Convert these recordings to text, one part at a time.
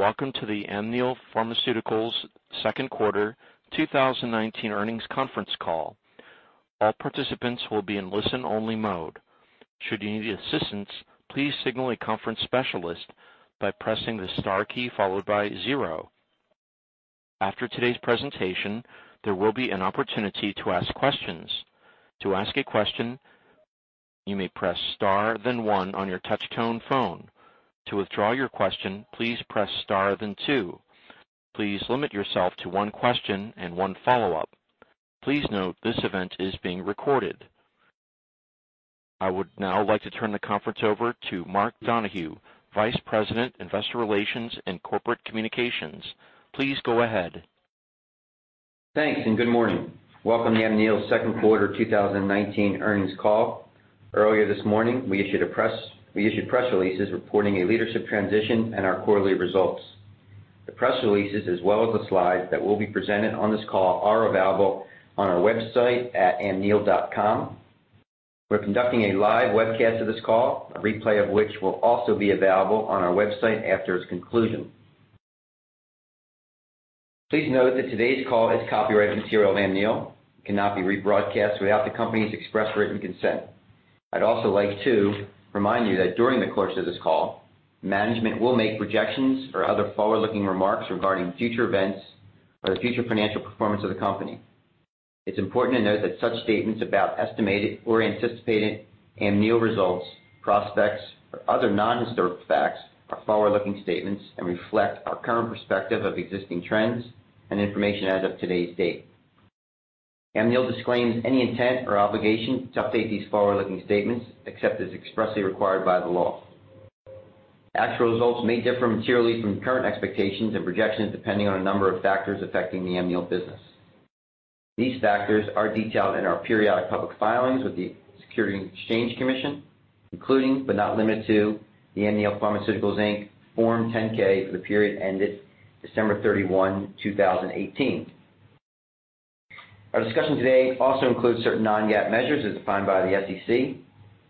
Welcome to the Amneal Pharmaceuticals second quarter 2019 earnings conference call. All participants will be in listen-only mode. Should you need assistance, please signal a conference specialist by pressing the star key followed by zero. After today's presentation, there will be an opportunity to ask questions. To ask a question, you may press star then one on your touch tone phone. To withdraw your question, please press star then two. Please limit yourself to one question and one follow-up. Please note this event is being recorded. I would now like to turn the conference over to Mark Donohue, Vice President, Investor Relations and Corporate Communications. Please go ahead. Thanks. Good morning. Welcome to Amneal's second quarter 2019 earnings call. Earlier this morning, we issued press releases reporting a leadership transition and our quarterly results. The press releases, as well as the slides that will be presented on this call, are available on our website at amneal.com. We're conducting a live webcast of this call, a replay of which will also be available on our website after its conclusion. Please note that today's call is copyrighted to Amneal. It cannot be rebroadcast without the company's express written consent. I'd also like to remind you that during the course of this call, management will make projections or other forward-looking remarks regarding future events or the future financial performance of the company. It's important to note that such statements about estimated or anticipated Amneal results, prospects, or other non-historic facts are forward-looking statements and reflect our current perspective of existing trends and information as of today's date. Amneal disclaims any intent or obligation to update these forward-looking statements except as expressly required by the law. Actual results may differ materially from current expectations and projections depending on a number of factors affecting the Amneal business. These factors are detailed in our periodic public filings with the Securities and Exchange Commission, including, but not limited to, the Amneal Pharmaceuticals, Inc. Form 10-K for the period ended December 31, 2018. Our discussion today also includes certain non-GAAP measures as defined by the SEC.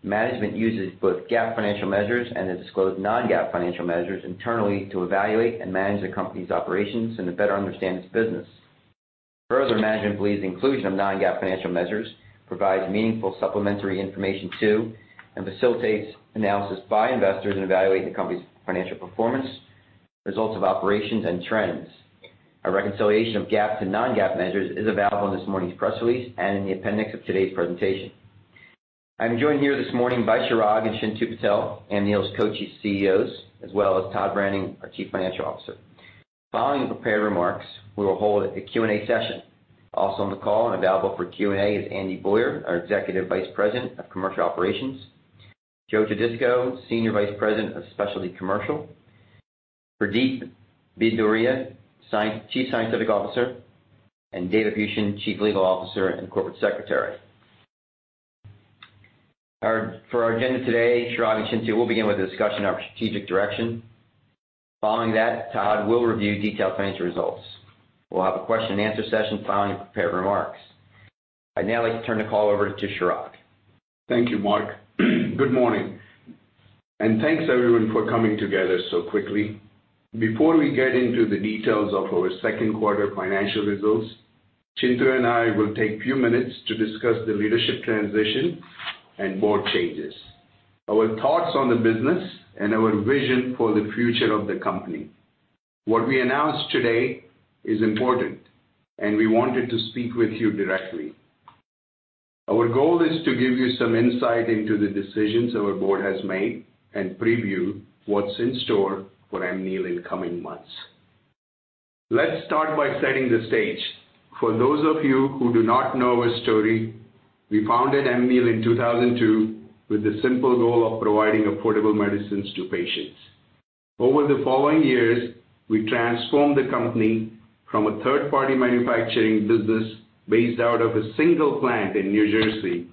Management uses both GAAP financial measures and the disclosed non-GAAP financial measures internally to evaluate and manage the company's operations and to better understand its business. Further, management believes inclusion of non-GAAP financial measures provides meaningful supplementary information too, and facilitates analysis by investors in evaluating the company's financial performance, results of operations, and trends. A reconciliation of GAAP to non-GAAP measures is available in this morning's press release and in the appendix of today's presentation. I'm joined here this morning by Chirag and Chintu Patel, Amneal's Co-CEOs, as well as Todd Branning, our Chief Financial Officer. Following the prepared remarks, we will hold a Q&A session. Also on the call and available for Q&A is Andy Boyer, our Executive Vice President of Commercial Operations, Joe Todisco, Senior Vice President of Specialty Commercial, Pradeep Bhadauria, Chief Scientific Officer, and David Buchen, Chief Legal Officer and Corporate Secretary. For our agenda today, Chirag and Chintu will begin with a discussion on our strategic direction. Following that, Todd will review detailed financial results. We'll have a question and answer session following the prepared remarks. I'd now like to turn the call over to Chirag. Thank you, Mark. Good morning and thanks everyone for coming together so quickly. Before we get into the details of our second quarter financial results, Chintu and I will take few minutes to discuss the leadership transition and board changes, our thoughts on the business and our vision for the future of the company. What we announced today is important and we wanted to speak with you directly. Our goal is to give you some insight into the decisions our board has made and preview what's in store for Amneal in coming months. Let's start by setting the stage. For those of you who do not know our story, we founded Amneal in 2002 with the simple goal of providing affordable medicines to patients. Over the following years, we transformed the company from a third-party manufacturing business based out of a single plant in New Jersey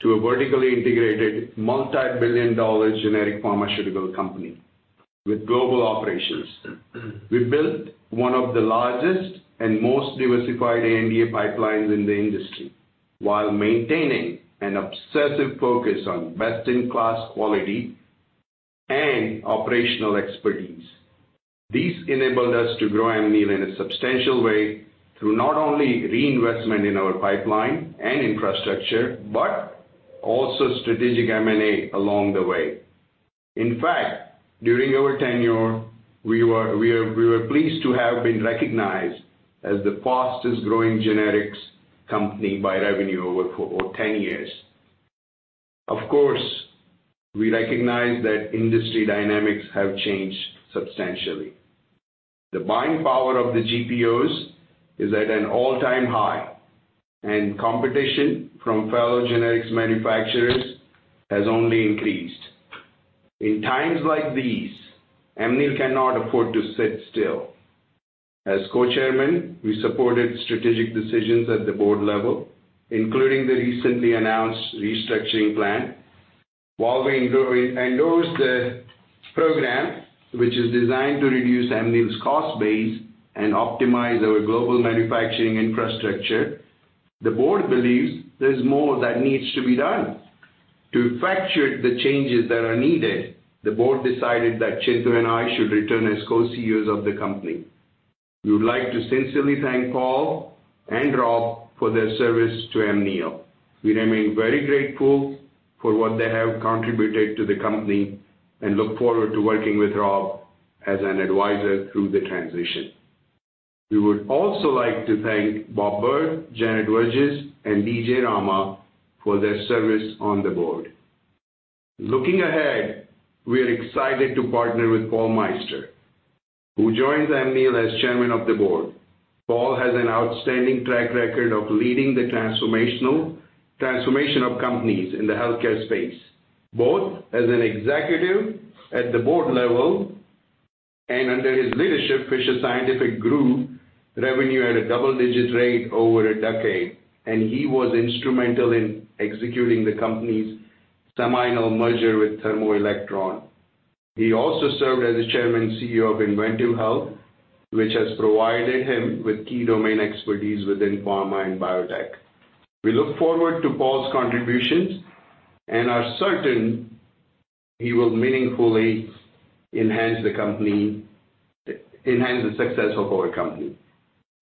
to a vertically integrated, multi-billion dollar generic pharmaceutical company with global operations. We built one of the largest and most diversified ANDA pipelines in the industry while maintaining an obsessive focus on best-in-class quality and operational expertise. These enabled us to grow Amneal in a substantial way through not only reinvestment in our pipeline and infrastructure, but also strategic M&A along the way. In fact, during our tenure, we were pleased to have been recognized as the fastest growing generics company by revenue over 10 years. Of course, we recognize that industry dynamics have changed substantially. The buying power of the GPOs is at an all-time high, and competition from fellow generics manufacturers has only increased. In times like these, Amneal cannot afford to sit still. As co-chairmen, we supported strategic decisions at the board level, including the recently announced restructuring plan. While we endorse the program, which is designed to reduce Amneal's cost base and optimize our global manufacturing infrastructure, the board believes there's more that needs to be done. To effectuate the changes that are needed, the board decided that Chintu and I should return as co-CEOs of the company. We would like to sincerely thank Paul and Rob for their service to Amneal. We remain very grateful for what they have contributed to the company and look forward to working with Rob as an advisor through the transition. We would also like to thank Bob Byrd, Janet Vergis, and DJ Rama for their service on the board. Looking ahead, we are excited to partner with Paul Meister, who joins Amneal as chairman of the board. Paul has an outstanding track record of leading the transformation of companies in the healthcare space, both as an executive at the board level and under his leadership, Fisher Scientific grew revenue at a double-digit rate over a decade, and he was instrumental in executing the company's seminal merger with Thermo Electron. He also served as the Chairman and CEO of inVentiv Health, which has provided him with key domain expertise within pharma and biotech. We look forward to Paul's contributions and are certain he will meaningfully enhance the success of our company.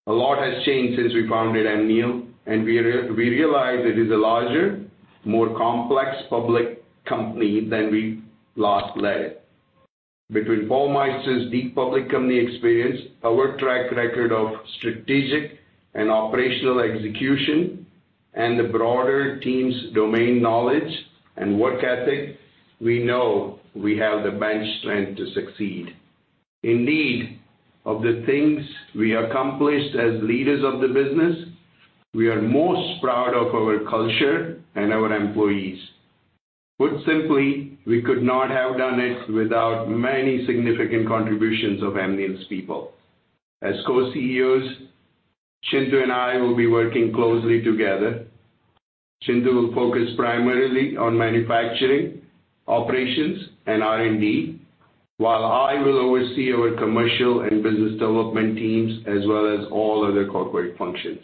A lot has changed since we founded Amneal, and we realize it is a larger, more complex public company than we last led. Between Paul Meister's deep public company experience, our track record of strategic and operational execution, and the broader team's domain knowledge and work ethic, we know we have the bench strength to succeed. Indeed, of the things we accomplished as leaders of the business, we are most proud of our culture and our employees. Put simply, we could not have done it without many significant contributions of Amneal's people. As Co-CEOs, Chintu and I will be working closely together. Chintu will focus primarily on manufacturing, operations, and R&D, while I will oversee our commercial and business development teams, as well as all other corporate functions.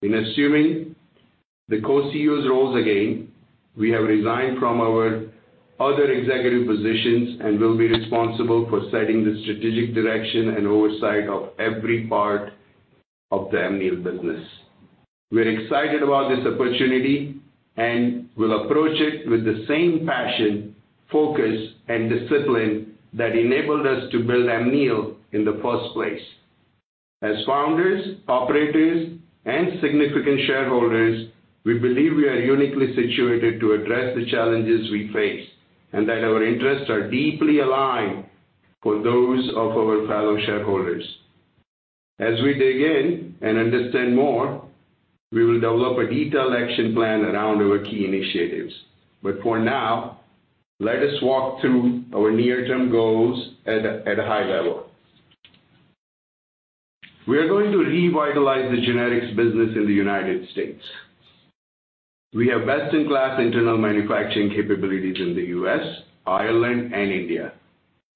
In assuming the Co-CEOs roles again, we have resigned from our other executive positions and will be responsible for setting the strategic direction and oversight of every part of the Amneal business. We're excited about this opportunity and will approach it with the same passion, focus, and discipline that enabled us to build Amneal in the first place. As founders, operators, and significant shareholders, we believe we are uniquely situated to address the challenges we face, and that our interests are deeply aligned with those of our fellow shareholders. As we dig in and understand more, we will develop a detailed action plan around our key initiatives. For now, let us walk through our near-term goals at a high level. We are going to revitalize the generics business in the U.S. We have best-in-class internal manufacturing capabilities in the U.S., Ireland, and India,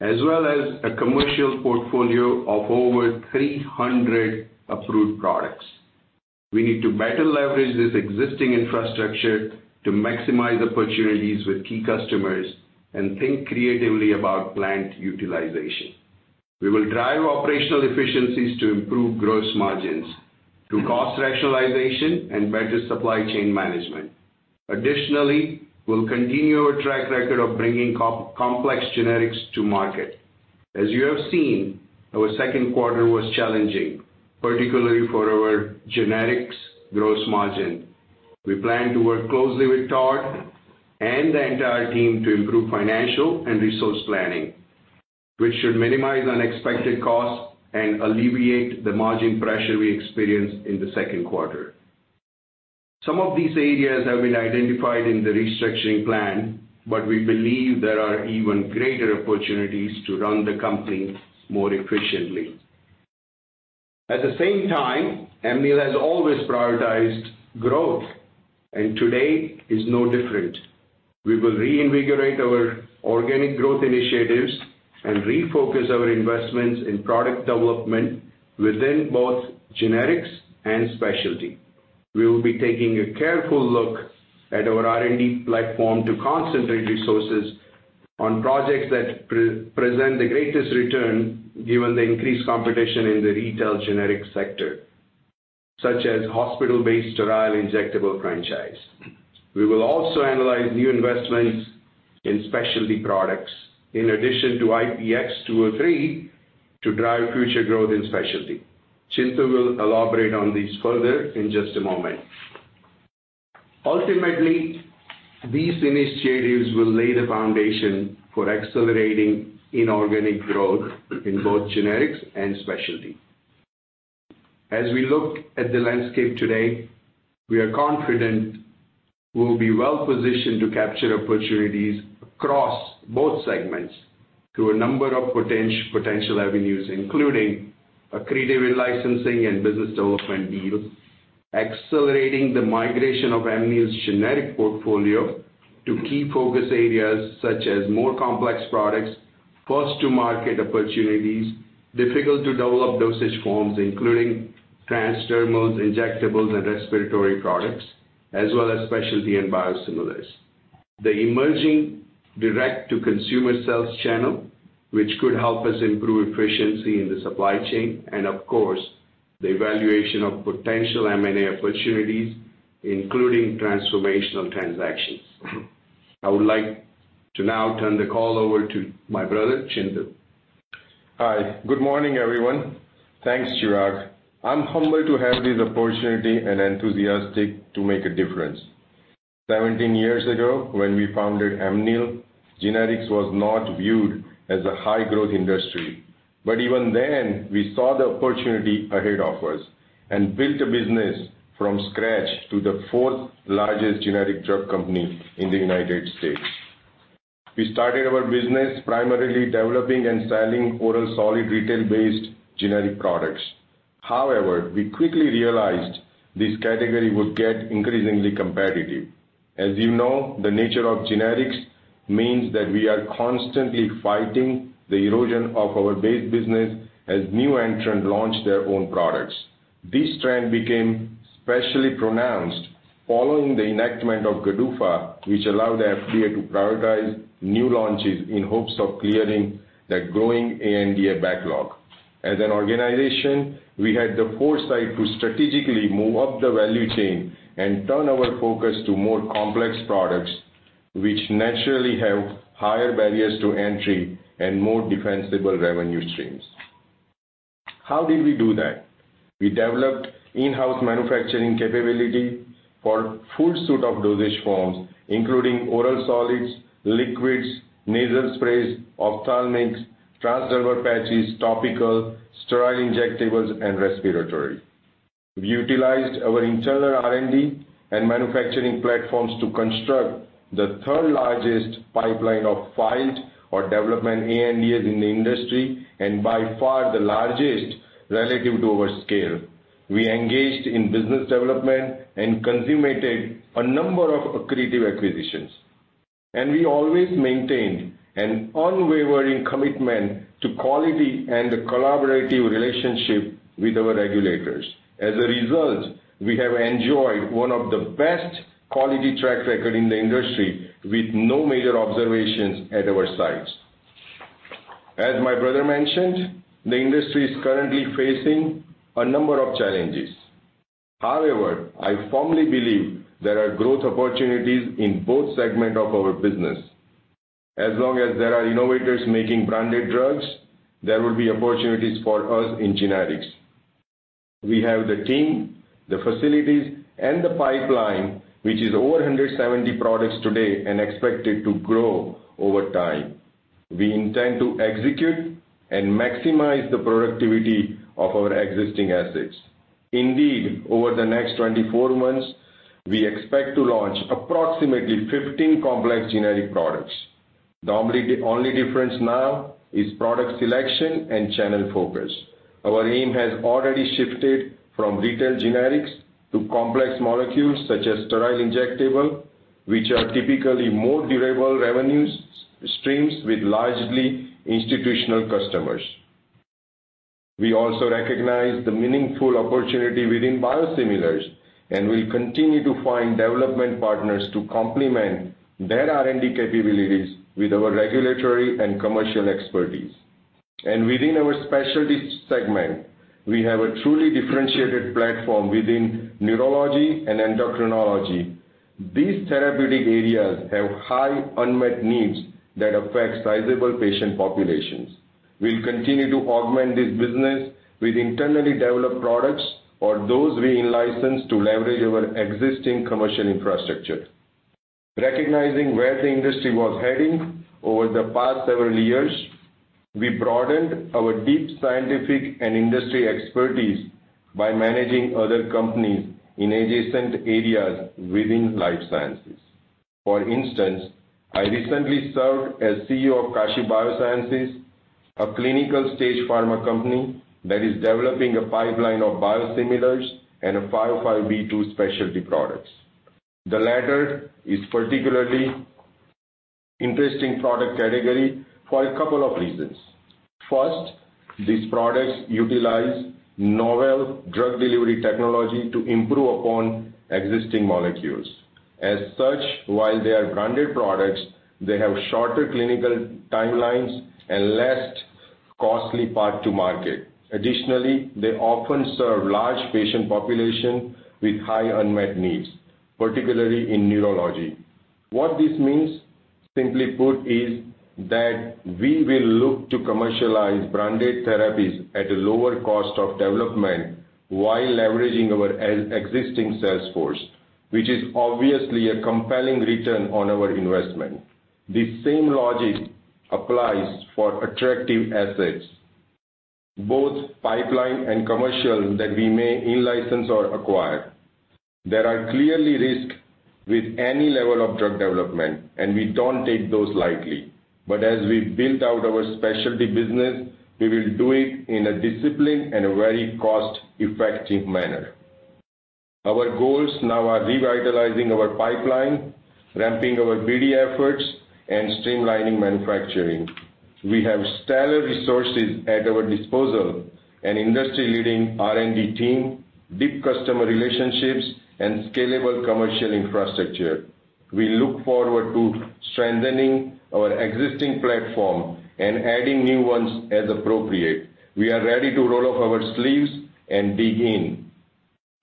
as well as a commercial portfolio of over 300 approved products. We need to better leverage this existing infrastructure to maximize opportunities with key customers and think creatively about plant utilization. We will drive operational efficiencies to improve gross margins through cost rationalization and better supply chain management. Additionally, we'll continue our track record of bringing complex generics to market. As you have seen, our second quarter was challenging, particularly for our generics gross margin. We plan to work closely with Todd and the entire team to improve financial and resource planning, which should minimize unexpected costs and alleviate the margin pressure we experienced in the second quarter. Some of these areas have been identified in the restructuring plan. We believe there are even greater opportunities to run the company more efficiently. At the same time, Amneal has always prioritized growth. Today is no different. We will reinvigorate our organic growth initiatives and refocus our investments in product development within both generics and specialty. We will be taking a careful look at our R&D platform to concentrate resources on projects that present the greatest return given the increased competition in the retail generic sector, such as hospital-based sterile injectable franchise. We will also analyze new investments in specialty products, in addition to IPX-203, to drive future growth in specialty. Chintu will elaborate on this further in just a moment. Ultimately, these initiatives will lay the foundation for accelerating inorganic growth in both generics and specialty. As we look at the landscape today, we are confident we'll be well-positioned to capture opportunities across both segments through a number of potential avenues, including accretive licensing and business development deals, accelerating the migration of Amneal's generic portfolio to key focus areas such as more complex productsFirst to market opportunities, difficult-to-develop dosage forms, including transdermals, injectables, and respiratory products, as well as specialty and biosimilars. The emerging direct-to-consumer sales channel, which could help us improve efficiency in the supply chain, and of course, the evaluation of potential M&A opportunities, including transformational transactions. I would like to now turn the call over to my brother, Chintu. Hi. Good morning, everyone. Thanks, Chirag. I'm humbled to have this opportunity and enthusiastic to make a difference. 17 years ago, when we founded Amneal, generics was not viewed as a high-growth industry. Even then, we saw the opportunity ahead of us and built a business from scratch to the fourth largest generic drug company in the U.S. We started our business primarily developing and selling oral solid retail-based generic products. However, we quickly realized this category would get increasingly competitive. As you know, the nature of generics means that we are constantly fighting the erosion of our base business as new entrants launch their own products. This trend became especially pronounced following the enactment of GDUFA, which allowed the FDA to prioritize new launches in hopes of clearing the growing ANDA backlog. As an organization, we had the foresight to strategically move up the value chain and turn our focus to more complex products, which naturally have higher barriers to entry and more defensible revenue streams. How did we do that? We developed in-house manufacturing capability for a full suite of dosage forms, including oral solids, liquids, nasal sprays, ophthalmics, transdermal patches, topical, sterile injectables, and respiratory. We've utilized our internal R&D and manufacturing platforms to construct the third largest pipeline of filed or development ANDAs in the industry, and by far the largest relative to our scale. We engaged in business development and consummated a number of accretive acquisitions. We always maintained an unwavering commitment to quality and a collaborative relationship with our regulators. As a result, we have enjoyed one of the best quality track records in the industry, with no major observations at our sites. As my brother mentioned, the industry is currently facing a number of challenges. However, I firmly believe there are growth opportunities in both segments of our business. As long as there are innovators making branded drugs, there will be opportunities for us in generics. We have the team, the facilities, and the pipeline, which is over 170 products today and expected to grow over time. We intend to execute and maximize the productivity of our existing assets. Indeed, over the next 24 months, we expect to launch approximately 15 complex generic products. The only difference now is product selection and channel focus. Our aim has already shifted from retail generics to complex molecules, such as sterile injectable, which are typically more durable revenues streams with largely institutional customers. We also recognize the meaningful opportunity within biosimilars and will continue to find development partners to complement their R&D capabilities with our regulatory and commercial expertise. Within our Specialty segment, we have a truly differentiated platform within neurology and endocrinology. These therapeutic areas have high unmet needs that affect sizable patient populations. We'll continue to augment this business with internally developed products or those we license to leverage our existing commercial infrastructure. Recognizing where the industry was heading over the past several years, we broadened our deep scientific and industry expertise by managing other companies in adjacent areas within life sciences. For instance, I recently served as CEO of Kashiv Biosciences, a clinical-stage pharma company that is developing a pipeline of biosimilars and 505(b)(2) specialty products. The latter is particularly interesting product category for a couple of reasons. First, these products utilize novel drug delivery technology to improve upon existing molecules. As such, while they are branded products, they have shorter clinical timelines and less costly path to market. Additionally, they often serve large patient populations with high unmet needs, particularly in neurology. What this means, simply put, is that we will look to commercialize branded therapies at a lower cost of development while leveraging our existing sales force, which is obviously a compelling return on our investment. This same logic applies for attractive assets, both pipeline and commercial, that we may in-license or acquire. There are clearly risks with any level of drug development, and we don't take those lightly. As we build out our specialty business, we will do it in a disciplined and a very cost-effective manner. Our goals now are revitalizing our pipeline, ramping our BD efforts, and streamlining manufacturing. We have stellar resources at our disposal, an industry-leading R&D team, deep customer relationships, and scalable commercial infrastructure. We look forward to strengthening our existing platform and adding new ones as appropriate. We are ready to roll up our sleeves and dig in.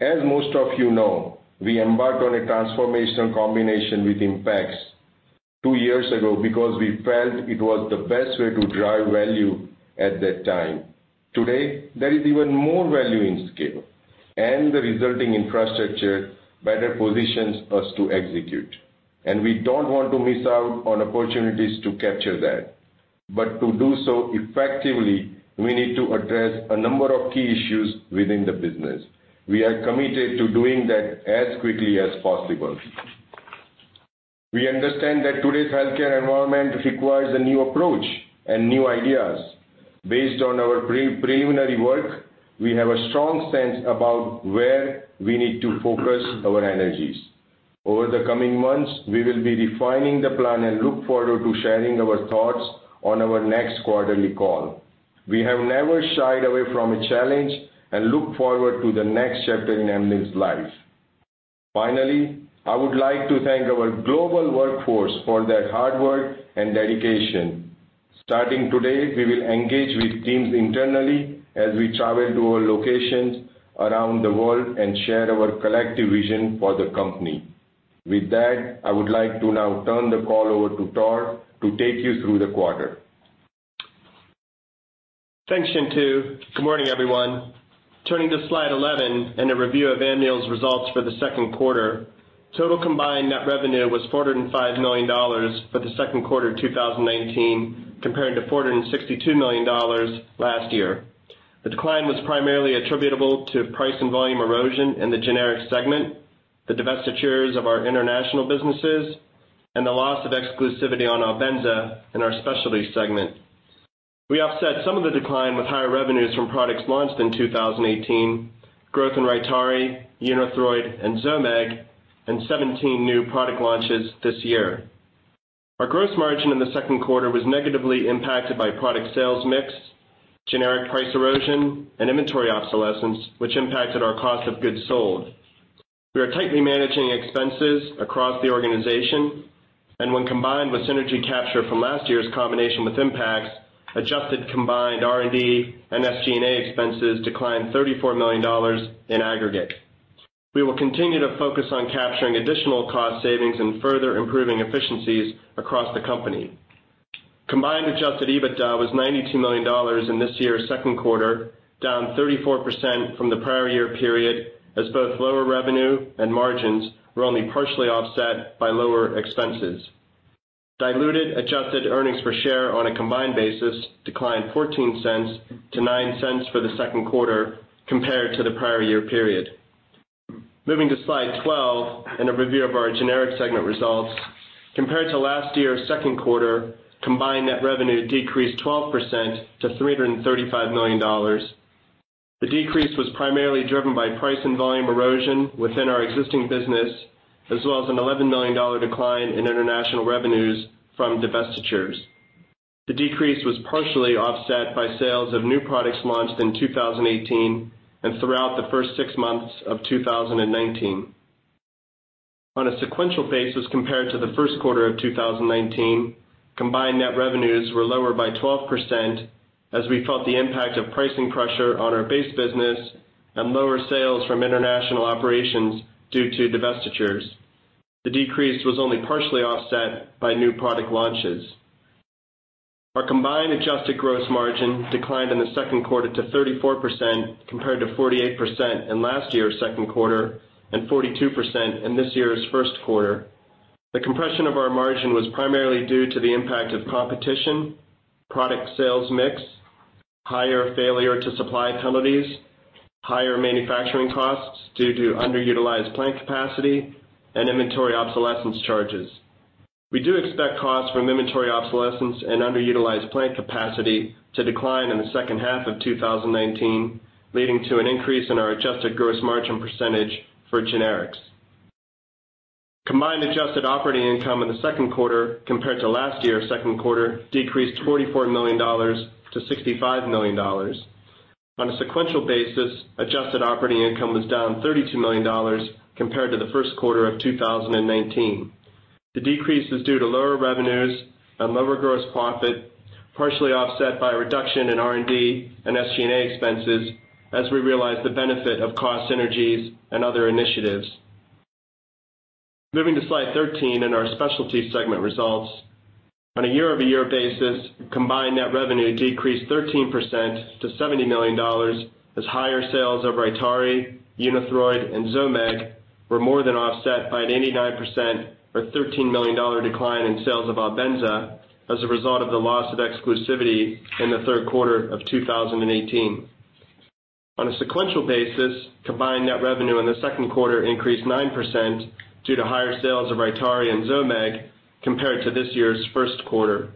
As most of you know, we embarked on a transformational combination with Impax two years ago because we felt it was the best way to drive value at that time. Today, there is even more value in scale and the resulting infrastructure better positions us to execute. We don't want to miss out on opportunities to capture that. To do so effectively, we need to address a number of key issues within the business. We are committed to doing that as quickly as possible. We understand that today's healthcare environment requires a new approach and new ideas. Based on our preliminary work, we have a strong sense about where we need to focus our energies. Over the coming months, we will be refining the plan and look forward to sharing our thoughts on our next quarterly call. We have never shied away from a challenge and look forward to the next chapter in Amneal's life. Finally, I would like to thank our global workforce for their hard work and dedication. Starting today, we will engage with teams internally as we travel to our locations around the world and share our collective vision for the company. With that, I would like to now turn the call over to Todd to take you through the quarter. Thanks, Chintu. Good morning, everyone. Turning to slide 11 and a review of Amneal's results for the second quarter, total combined net revenue was $405 million for the second quarter of 2019, compared to $462 million last year. The decline was primarily attributable to price and volume erosion in the generics segment, the divestitures of our international businesses, and the loss of exclusivity on ALBENZA in our specialty segment. We offset some of the decline with higher revenues from products launched in 2018, growth in RYTARY, UNITHROID, and ZOMIG, and 17 new product launches this year. Our gross margin in the second quarter was negatively impacted by product sales mix, generic price erosion, and inventory obsolescence, which impacted our cost of goods sold. We are tightly managing expenses across the organization, when combined with synergy capture from last year's combination with Impax, adjusted combined R&D and SG&A expenses declined $34 million in aggregate. We will continue to focus on capturing additional cost savings and further improving efficiencies across the company. Combined adjusted EBITDA was $92 million in this year's second quarter, down 34% from the prior year period as both lower revenue and margins were only partially offset by lower expenses. Diluted adjusted earnings per share on a combined basis declined $0.14 to $0.09 for the second quarter compared to the prior year period. Moving to slide 12 and a review of our generic segment results. Compared to last year's second quarter, combined net revenue decreased 12% to $335 million. The decrease was primarily driven by price and volume erosion within our existing business, as well as an $11 million decline in international revenues from divestitures. The decrease was partially offset by sales of new products launched in 2018 and throughout the first six months of 2019. On a sequential basis compared to the first quarter of 2019, combined net revenues were lower by 12% as we felt the impact of pricing pressure on our base business and lower sales from international operations due to divestitures. The decrease was only partially offset by new product launches. Our combined adjusted gross margin declined in the second quarter to 34%, compared to 48% in last year's second quarter and 42% in this year's first quarter. The compression of our margin was primarily due to the impact of competition, product sales mix, higher failure to supply penalties, higher manufacturing costs due to underutilized plant capacity, and inventory obsolescence charges. We do expect costs from inventory obsolescence and underutilized plant capacity to decline in the second half of 2019, leading to an increase in our adjusted gross margin % for generics. Combined adjusted operating income in the second quarter compared to last year's second quarter decreased $44 million to $65 million. On a sequential basis, adjusted operating income was down $32 million compared to the first quarter of 2019. The decrease is due to lower revenues and lower gross profit, partially offset by a reduction in R&D and SG&A expenses as we realize the benefit of cost synergies and other initiatives. Moving to slide 13 and our Specialty Segment results. On a year-over-year basis, combined net revenue decreased 13% to $70 million, as higher sales of RYTARY, UNITHROID, and ZOMIG were more than offset by an 89% or $13 million decline in sales of ALBENZA as a result of the loss of exclusivity in the third quarter of 2018. On a sequential basis, combined net revenue in the second quarter increased 9% due to higher sales of RYTARY and ZOMIG compared to this year's first quarter.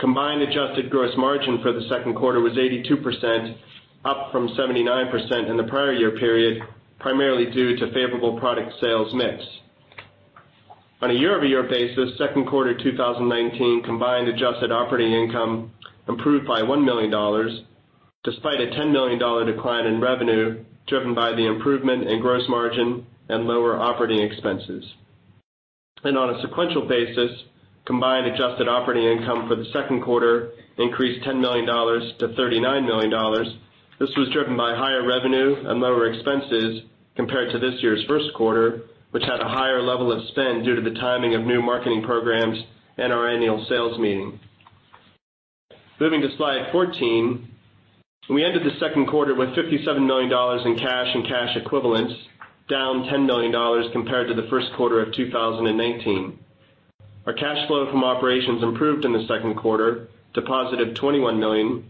Combined adjusted gross margin for the second quarter was 82%, up from 79% in the prior year period, primarily due to favorable product sales mix. On a year-over-year basis, second quarter 2019 combined adjusted operating income improved by $1 million, despite a $10 million decline in revenue, driven by the improvement in gross margin and lower operating expenses. On a sequential basis, combined adjusted operating income for the second quarter increased $10 million to $39 million. This was driven by higher revenue and lower expenses compared to this year's first quarter, which had a higher level of spend due to the timing of new marketing programs and our annual sales meeting. Moving to slide 14. We ended the second quarter with $57 million in cash and cash equivalents, down $10 million compared to the first quarter of 2019. Our cash flow from operations improved in the second quarter to positive $21 million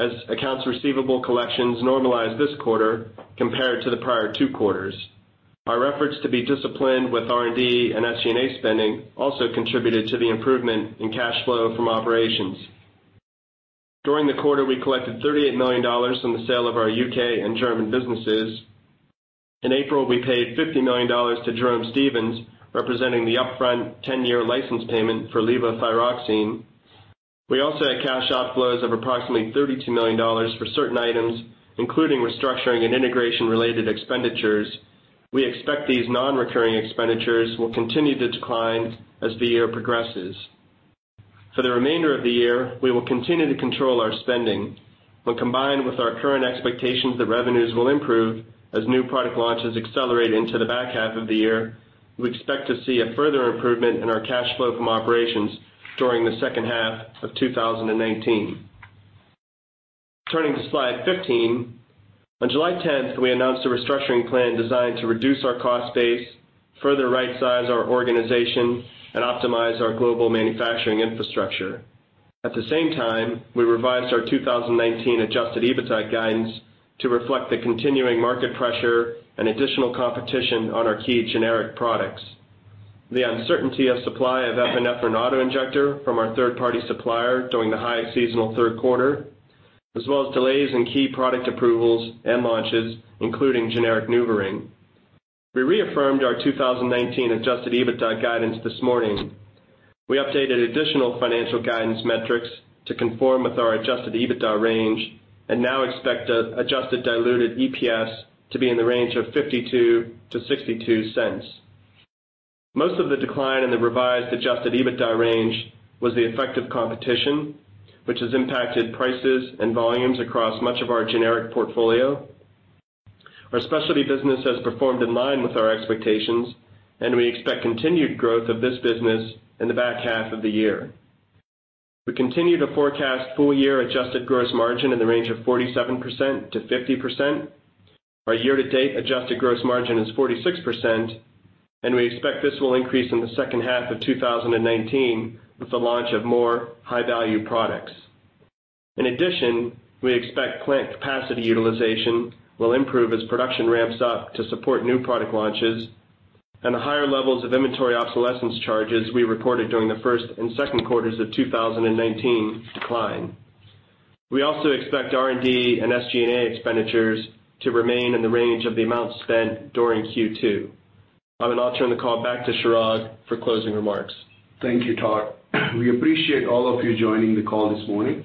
as accounts receivable collections normalized this quarter compared to the prior two quarters. Our efforts to be disciplined with R&D and SG&A spending also contributed to the improvement in cash flow from operations. During the quarter, we collected $38 million from the sale of our U.K. and German businesses. In April, we paid $50 million to Jerome Stevens, representing the upfront 10-year license payment for levothyroxine. We also had cash outflows of approximately $32 million for certain items, including restructuring and integration-related expenditures. We expect these non-recurring expenditures will continue to decline as the year progresses. For the remainder of the year, we will continue to control our spending. When combined with our current expectations that revenues will improve as new product launches accelerate into the back half of the year, we expect to see a further improvement in our cash flow from operations during the second half of 2019. Turning to slide 15. On July 10th, we announced a restructuring plan designed to reduce our cost base, further right-size our organization, and optimize our global manufacturing infrastructure. At the same time, we revised our 2019 adjusted EBITDA guidance to reflect the continuing market pressure and additional competition on our key generic products, the uncertainty of supply of epinephrine auto-injector from our third-party supplier during the highest seasonal third quarter, as well as delays in key product approvals and launches, including generic NuvaRing. We reaffirmed our 2019 adjusted EBITDA guidance this morning. We updated additional financial guidance metrics to conform with our adjusted EBITDA range and now expect adjusted diluted EPS to be in the range of $0.52 to $0.62. Most of the decline in the revised adjusted EBITDA range was the effect of competition, which has impacted prices and volumes across much of our generic portfolio. Our specialty business has performed in line with our expectations. We expect continued growth of this business in the back half of the year. We continue to forecast full-year adjusted gross margin in the range of 47%-50%. Our year-to-date adjusted gross margin is 46%, and we expect this will increase in the second half of 2019 with the launch of more high-value products. In addition, we expect plant capacity utilization will improve as production ramps up to support new product launches and the higher levels of inventory obsolescence charges we reported during the first and second quarters of 2019 decline. We also expect R&D and SG&A expenditures to remain in the range of the amount spent during Q2. I will now turn the call back to Chirag for closing remarks. Thank you, Todd. We appreciate all of you joining the call this morning.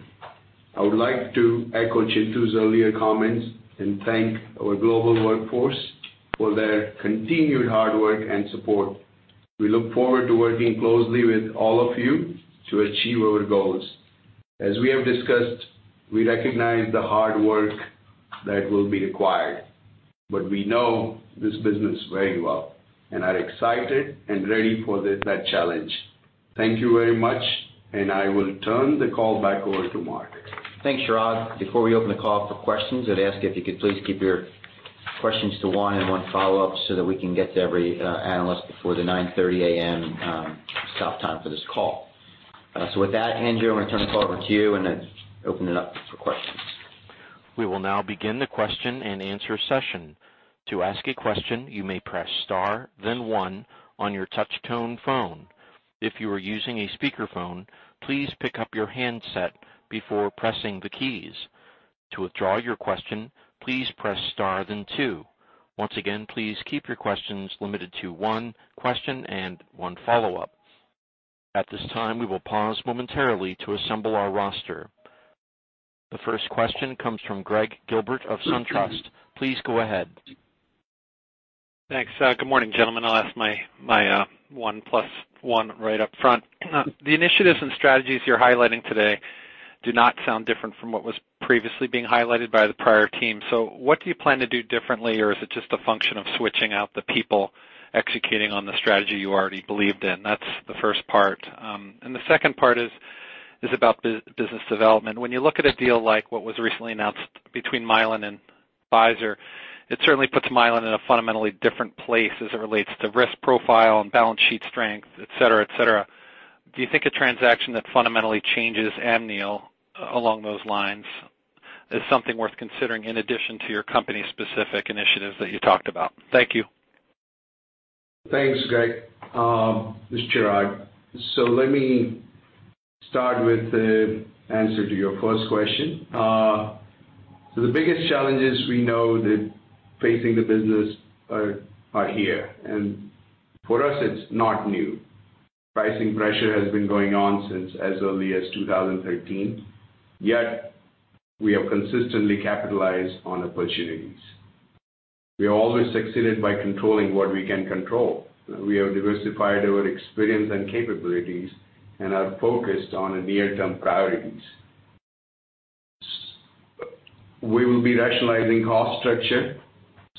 I would like to echo Chintu's earlier comments and thank our global workforce for their continued hard work and support. We look forward to working closely with all of you to achieve our goals. As we have discussed, we recognize the hard work that will be required, but we know this business very well and are excited and ready for that challenge. Thank you very much, and I will turn the call back over to Mark. Thanks, Chirag. Before we open the call up for questions, I'd ask if you could please keep your questions to one and one follow-up so that we can get to every analyst before the 9:30 A.M. stop time for this call. With that, Andrew, I'm going to turn the call over to you and then open it up for questions. We will now begin the question and answer session. To ask a question, you may press star then one on your touch tone phone. If you are using a speakerphone, please pick up your handset before pressing the keys. To withdraw your question, please press star then two. Once again, please keep your questions limited to one question and one follow-up. At this time, we will pause momentarily to assemble our roster. The first question comes from Greg Gilbert of SunTrust. Please go ahead. Thanks. Good morning, gentlemen. I'll ask my one plus one right up front. The initiatives and strategies you're highlighting today do not sound different from what was previously being highlighted by the prior team. What do you plan to do differently, or is it just a function of switching out the people executing on the strategy you already believed in? That's the first part. The second part is about business development. When you look at a deal like what was recently announced between Mylan and Pfizer, it certainly puts Mylan in a fundamentally different place as it relates to risk profile and balance sheet strength, et cetera. Do you think a transaction that fundamentally changes Amneal along those lines is something worth considering in addition to your company's specific initiatives that you talked about? Thank you. Thanks, Greg. This is Chirag. Let me start with the answer to your first question. The biggest challenges we know that facing the business are here, and for us it's not new. Pricing pressure has been going on since as early as 2013, yet we have consistently capitalized on opportunities. We have always succeeded by controlling what we can control. We have diversified our experience and capabilities and are focused on the near-term priorities. We will be rationalizing cost structure,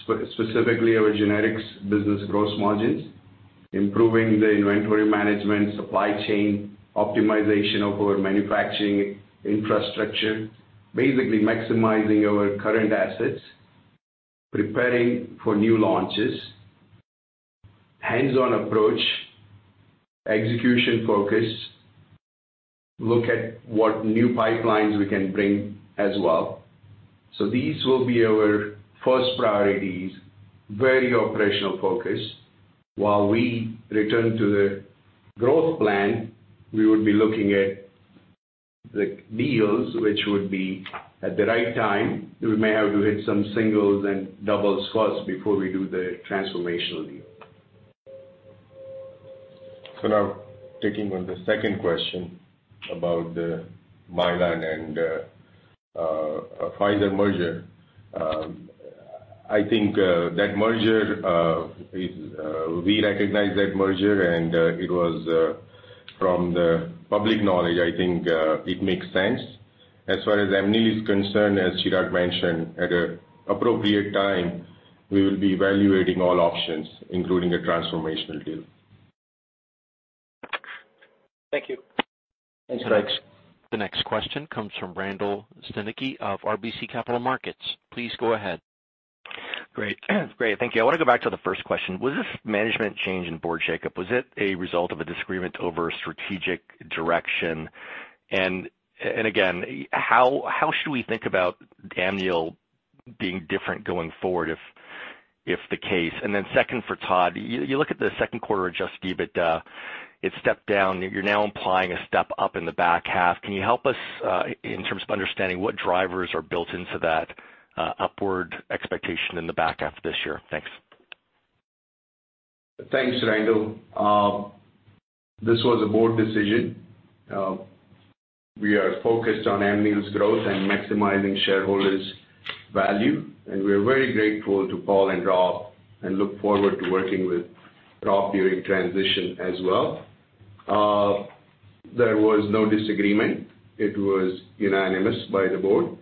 specifically our generics business gross margins, improving the inventory management, supply chain optimization of our manufacturing infrastructure. Basically maximizing our current assets, preparing for new launches, hands-on approach, execution focus, look at what new pipelines we can bring as well. These will be our first priorities, very operational focus. While we return to the growth plan, we would be looking at the deals which would be at the right time. We may have to hit some singles and doubles first before we do the transformational deal. Now taking on the second question about the Mylan and Pfizer merger. I think we recognize that merger, and it was from the public knowledge, I think it makes sense. As far as Amneal is concerned, as Chirag mentioned, at an appropriate time, we will be evaluating all options, including a transformational deal. Thank you. Thanks. The next question comes from Randall Stanicky of RBC Capital Markets. Please go ahead. Great. Thank you. I want to go back to the first question. Was this management change in board shakeup, was it a result of a disagreement over strategic direction? Again, how should we think about Amneal being different going forward if the case? Then second for Todd, you look at the second quarter adjusted EBITDA, it stepped down. You're now implying a step up in the back half. Can you help us in terms of understanding what drivers are built into that upward expectation in the back half of this year? Thanks. Thanks, Randall. This was a board decision. We are focused on Amneal Pharmaceuticals's growth and maximizing shareholders' value. We're very grateful to Paul and Rob and look forward to working with Rob during transition as well. There was no disagreement. It was unanimous by the board.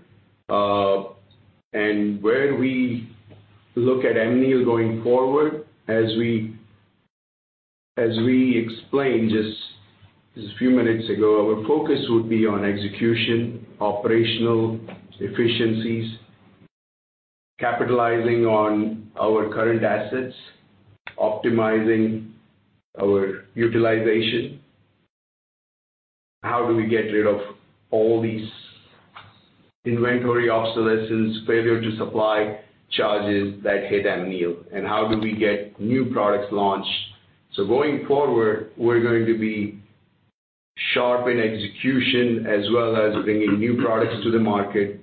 Where we look at Amneal Pharmaceuticals going forward, as we explained just a few minutes ago, our focus would be on execution, operational efficiencies, capitalizing on our current assets, optimizing our utilization. How do we get rid of all these inventory obsolescence, failure to supply charges that hit Amneal Pharmaceuticals, and how do we get new products launched? Going forward, we're going to be sharp in execution as well as bringing new products to the market,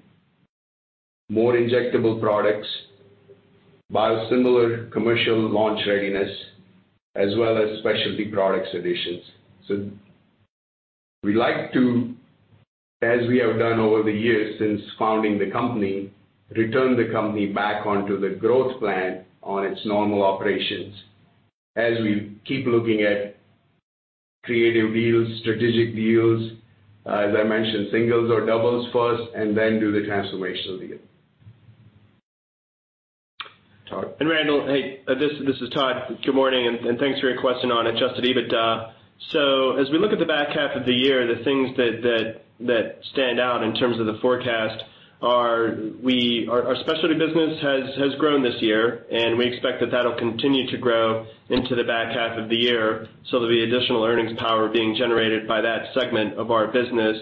more injectable products, biosimilar commercial launch readiness, as well as specialty products additions. We'd like to, as we have done over the years since founding the company, return the company back onto the growth plan on its normal operations. We keep looking at creative deals, strategic deals, as I mentioned, singles or doubles first, and then do the transformational deal. Todd. Randall, hey. This is Todd. Good morning, and thanks for your question on adjusted EBITDA. As we look at the back half of the year, the things that stand out in terms of the forecast are our specialty business has grown this year, and we expect that that'll continue to grow into the back half of the year, so that the additional earnings power being generated by that segment of our business.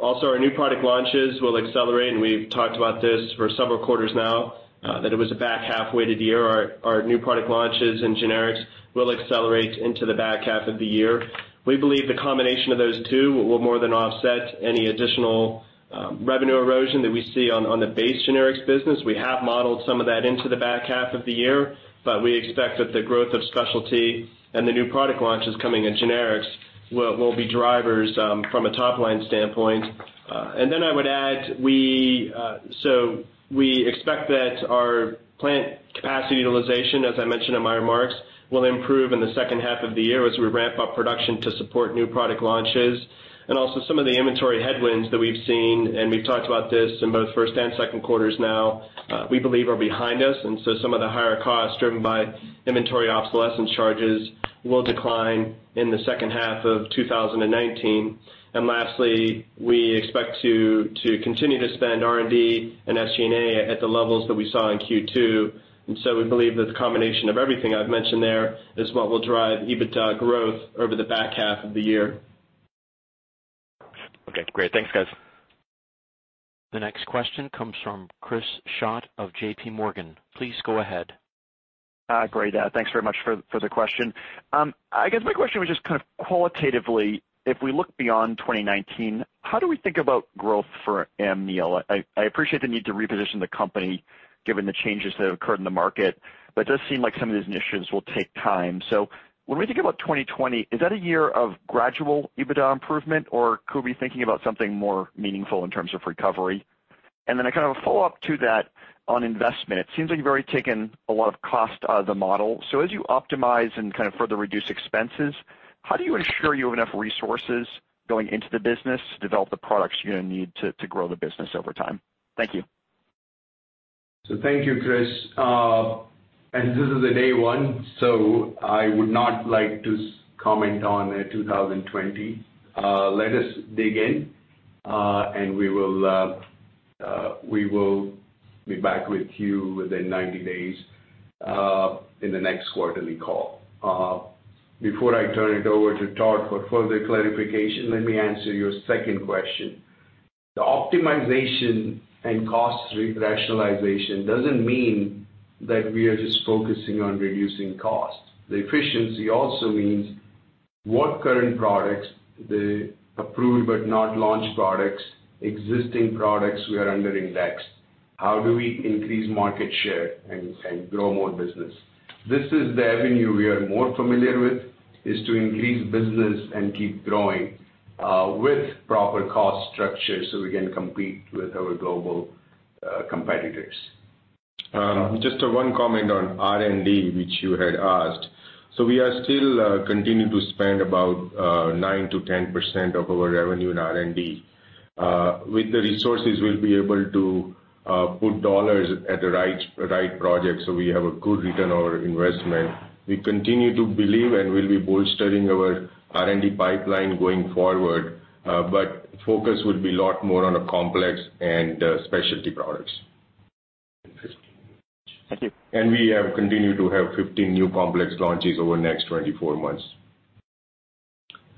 Also, our new product launches will accelerate, and we've talked about this for several quarters now, that it was a back half weighted year. Our new product launches and generics will accelerate into the back half of the year. We believe the combination of those two will more than offset any additional revenue erosion that we see on the base generics business. We have modeled some of that into the back half of the year, we expect that the growth of specialty and the new product launches coming in generics will be drivers from a top-line standpoint. I would add, we expect that our plant capacity utilization, as I mentioned in my remarks, will improve in the second half of the year as we ramp up production to support new product launches. Also some of the inventory headwinds that we've seen, and we've talked about this in both first and second quarters now, we believe are behind us, some of the higher costs driven by inventory obsolescence charges will decline in the second half of 2019. Lastly, we expect to continue to spend R&D and SG&A at the levels that we saw in Q2. We believe that the combination of everything I've mentioned there is what will drive EBITDA growth over the back half of the year. Okay, great. Thanks, guys. The next question comes from Chris Schott of JPMorgan. Please go ahead. Great. Thanks very much for the question. I guess my question was just kind of qualitatively, if we look beyond 2019, how do we think about growth for Amneal? I appreciate the need to reposition the company given the changes that have occurred in the market. It does seem like some of these initiatives will take time. When we think about 2020, is that a year of gradual EBITDA improvement, or could we be thinking about something more meaningful in terms of recovery? A follow-up to that on investment. It seems like you've already taken a lot of cost out of the model. As you optimize and further reduce expenses, how do you ensure you have enough resources going into the business to develop the products you're going to need to grow the business over time? Thank you. Thank you, Chris. This is a day one, so I would not like to comment on 2020. Let us dig in. We will be back with you within 90 days, in the next quarterly call. Before I turn it over to Todd for further clarification, let me answer your second question. The optimization and cost rationalization doesn't mean that we are just focusing on reducing costs. The efficiency also means what current products, the approved but not launched products, existing products we are under indexed, how do we increase market share and grow more business? This is the avenue we are more familiar with, is to increase business and keep growing with proper cost structure so we can compete with our global competitors. Just one comment on R&D, which you had asked. We are still continuing to spend about nine to 10% of our revenue on R&D. With the resources, we'll be able to put dollars at the right project so we have a good return on investment. We continue to believe and will be bolstering our R&D pipeline going forward, focus will be a lot more on the complex and specialty products. Thank you. We have continued to have 15 new complex launches over the next 24 months.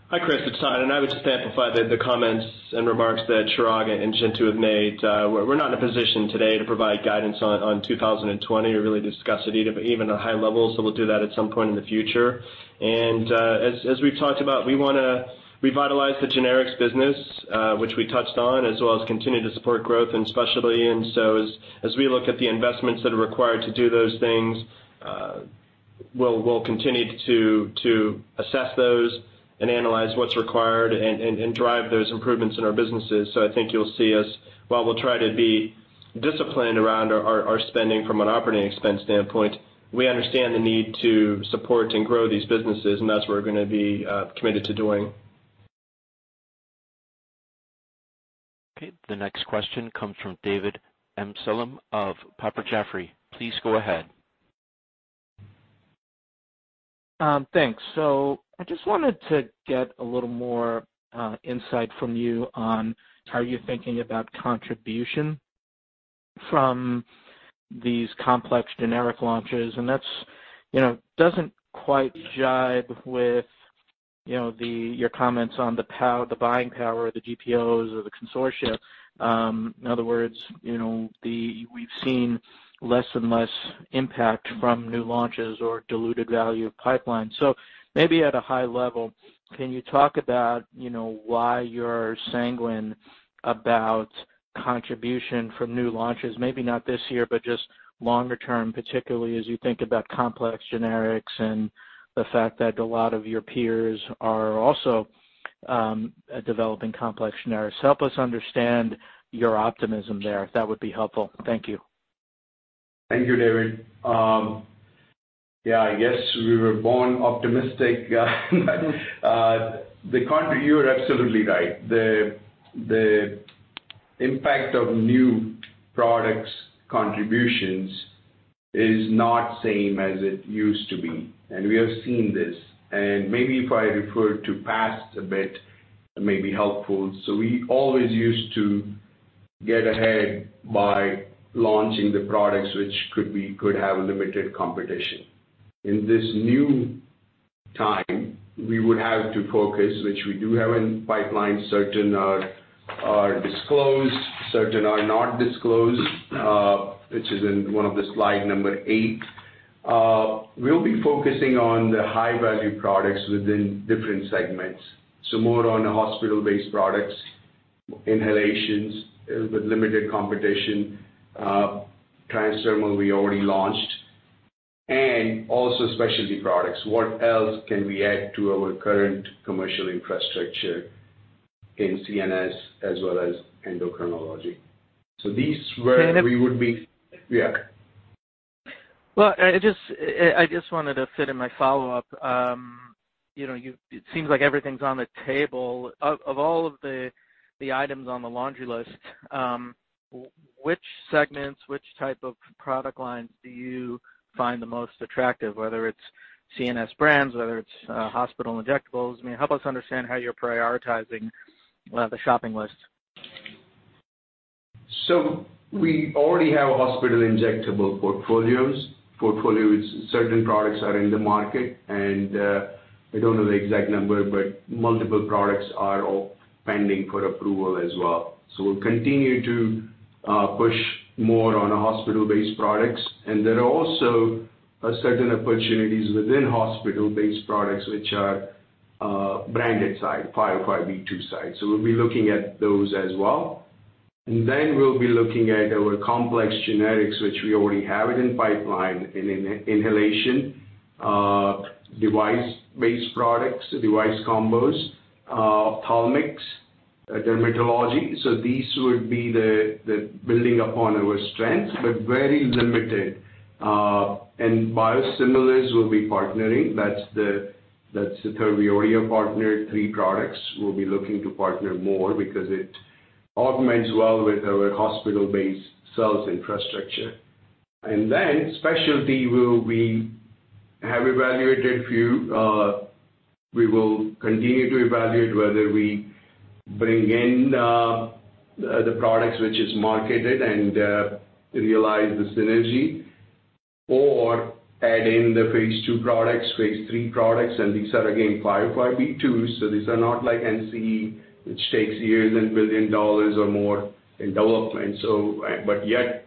Hi, Chris, it's Todd, I would just amplify the comments and remarks that Chirag and Chintu have made. We're not in a position today to provide guidance on 2020 or really discuss it even at high levels, we'll do that at some point in the future. As we've talked about, we want to revitalize the generics business, which we touched on, as well as continue to support growth in specialty. As we look at the investments that are required to do those things, we'll continue to assess those and analyze what's required and drive those improvements in our businesses. I think you'll see us, while we'll try to be disciplined around our spending from an operating expense standpoint, we understand the need to support and grow these businesses, and that's what we're going to be committed to doing. Okay. The next question comes from David Amsellem of Piper Jaffray. Please go ahead. Thanks. I just wanted to get a little more insight from you on how you're thinking about contribution from these complex generic launches, and that doesn't quite jive with your comments on the buying power of the GPOs or the consortia. In other words, we've seen less and less impact from new launches or diluted value pipeline. Maybe at a high level, can you talk about why you're sanguine about contribution from new launches? Maybe not this year, but just longer term, particularly as you think about complex generics and the fact that a lot of your peers are also developing complex generics. Help us understand your optimism there. That would be helpful. Thank you. Thank you, David. I guess we were born optimistic. You're absolutely right. The impact of new products contributions is not same as it used to be, and we have seen this, and maybe if I refer to past a bit, it may be helpful. We always used to get ahead by launching the products which could have limited competition. In this new time, we would have to focus, which we do have in pipeline. Certain are disclosed, certain are not disclosed, which is in one of the slide number eight. We'll be focusing on the high-value products within different segments. More on the hospital-based products, inhalations with limited competition, transdermal we already launched, and also specialty products. What else can we add to our current commercial infrastructure in CNS as well as endocrinology? Well, I just wanted to fit in my follow-up. It seems like everything's on the table. Of all of the items on the laundry list, which segments, which type of product lines do you find the most attractive, whether it's CNS brands, whether it's hospital injectables? Help us understand how you're prioritizing the shopping list. We already have hospital injectable portfolios. Certain products are in the market, and I don't know the exact number, but multiple products are all pending for approval as well. We'll continue to push more on hospital-based products. There are also certain opportunities within hospital-based products which are branded side, 505(b)(2) side. We'll be looking at those as well. We'll be looking at our complex generics, which we already have it in pipeline in inhalation, device-based products, device combos, ophthalmics, dermatology. These would be the building upon our strengths, but very limited. Biosimilars, we'll be partnering. That's the third. We already partnered three products. We'll be looking to partner more because it augments well with our hospital-based sales infrastructure. Specialty, we have evaluated a few. We will continue to evaluate whether we bring in the products which is marketed and realize the synergy or add in the phase II products, phase III products. These are again 505(b)(2)s, so these are not like NCE, which takes years and $1 billion or more in development. Yet,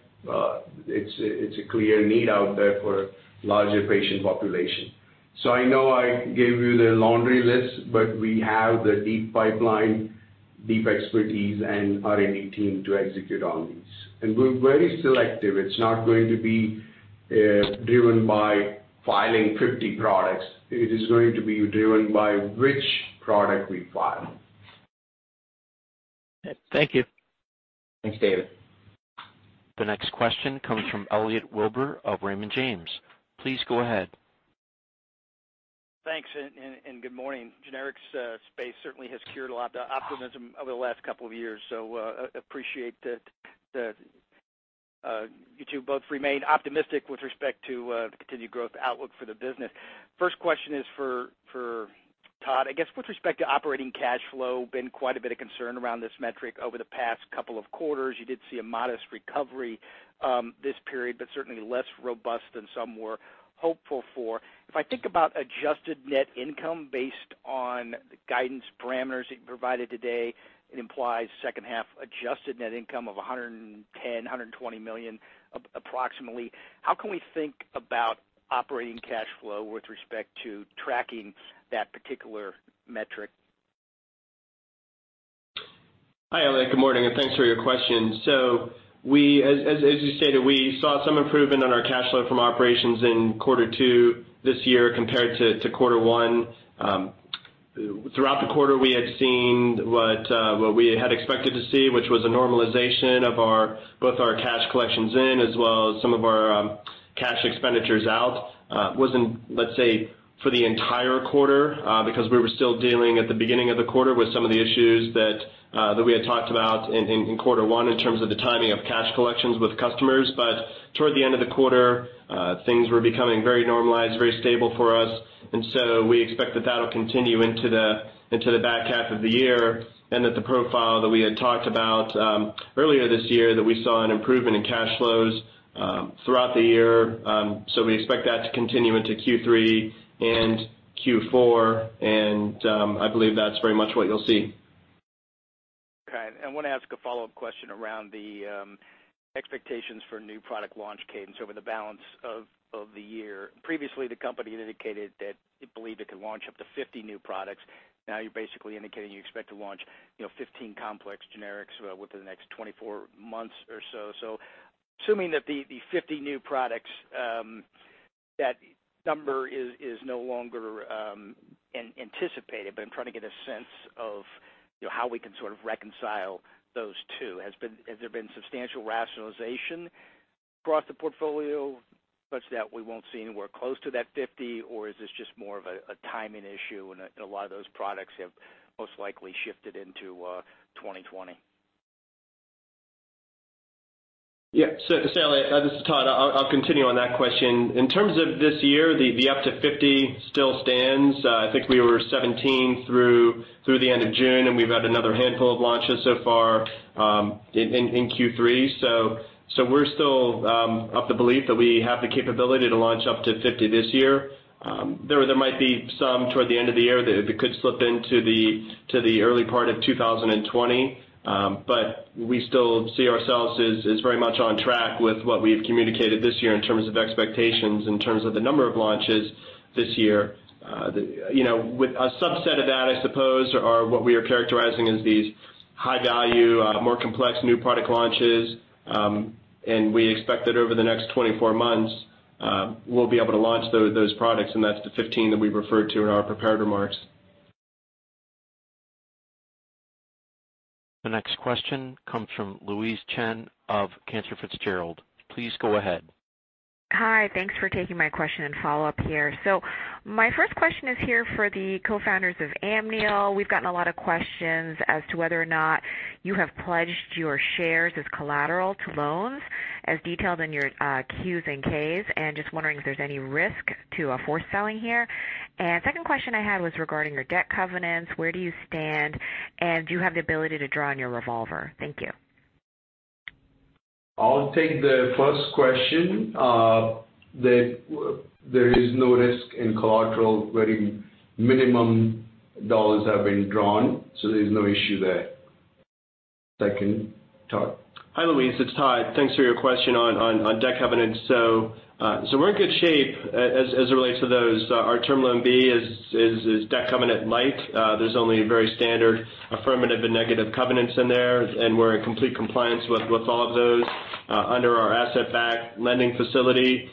it's a clear need out there for larger patient population. I know I gave you the laundry list, but we have the deep pipeline, deep expertise, and R&D team to execute on these. We're very selective. It's not going to be driven by filing 50 products. It is going to be driven by which product we file. Thank you. Thanks, David. The next question comes from Elliot Wilbur of Raymond James. Please go ahead. Thanks, good morning. Generics space certainly has curbed a lot of the optimism over the last couple of years, appreciate that you two both remain optimistic with respect to the continued growth outlook for the business. First question is for Todd. I guess with respect to operating cash flow, been quite a bit of concern around this metric over the past couple of quarters. You did see a modest recovery this period, certainly less robust than some were hopeful for. If I think about adjusted net income based on the guidance parameters that you provided today, it implies second half adjusted net income of $110 million-$120 million approximately. How can we think about operating cash flow with respect to tracking that particular metric? Hi, Elliot. Good morning, and thanks for your question. As you stated, we saw some improvement on our cash flow from operations in quarter two this year compared to quarter one. Throughout the quarter, we had seen what we had expected to see, which was a normalization of both our cash collections in as well as some of our cash expenditures out. Wasn't, let's say, for the entire quarter because we were still dealing at the beginning of the quarter with some of the issues that we had talked about in quarter one in terms of the timing of cash collections with customers. Toward the end of the quarter, things were becoming very normalized, very stable for us. We expect that will continue into the back half of the year and that the profile that we had talked about earlier this year, that we saw an improvement in cash flows throughout the year. We expect that to continue into Q3 and Q4, and I believe that's very much what you'll see. Okay. I want to ask a follow-up question around the expectations for new product launch cadence over the balance of the year. Previously, the company had indicated that it believed it could launch up to 50 new products. Now you're basically indicating you expect to launch 15 complex generics within the next 24 months or so. Assuming that the 50 new products, that number is no longer anticipated, but I'm trying to get a sense of how we can sort of reconcile those two. Has there been substantial rationalization across the portfolio such that we won't see anywhere close to that 50? Or is this just more of a timing issue and a lot of those products have most likely shifted into 2020? Yeah. Elliot, this is Todd. I'll continue on that question. In terms of this year, the up to 50 still stands. I think we were 17 through the end of June, and we've had another handful of launches so far in Q3. We're still of the belief that we have the capability to launch up to 50 this year. There might be some toward the end of the year that could slip into the early part of 2020. We still see ourselves as very much on track with what we've communicated this year in terms of expectations, in terms of the number of launches this year. A subset of that, I suppose, are what we are characterizing as these high value, more complex new product launches. We expect that over the next 24 months, we'll be able to launch those products, and that's the 15 that we referred to in our prepared remarks. The next question comes from Louise Chen of Cantor Fitzgerald. Please go ahead. Hi. Thanks for taking my question and follow-up here. My first question is here for the co-founders of Amneal. We've gotten a lot of questions as to whether or not you have pledged your shares as collateral to loans. As detailed in your Qs and Ks, I'm just wondering if there's any risk to a forced selling here? Second question I had was regarding your debt covenants. Where do you stand? Do you have the ability to draw on your revolver? Thank you. I'll take the first question. There is no risk in collateral. Very minimum dollars have been drawn, so there's no issue there. Second, Todd. Hi, Louise. It's Todd. Thanks for your question on debt covenants. We're in good shape as it relates to those. Our Term Loan B is debt covenant light. There's only very standard affirmative and negative covenants in there, and we're in complete compliance with all of those. Under our asset-backed lending facility,